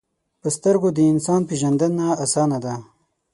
په سترګو د انسان پیژندنه آسانه ده